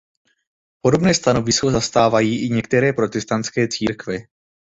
Podobné stanovisko zastávají i některé protestantské církve.